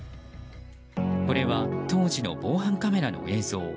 これは、当時の防犯カメラの映像。